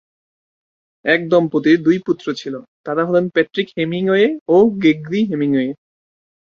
এই দম্পতির দুই পুত্র ছিল, তারা হলেন প্যাট্রিক হেমিংওয়ে ও গ্রেগরি হেমিংওয়ে।